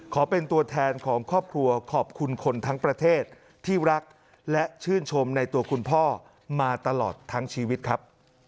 ขอเป็นตัวแทนของครอบครัวขอบคุณคนทั้งประเทศที่รักและชื่นชมในตัวคุณพ่อมาตลอดทั้งชีวิตครับ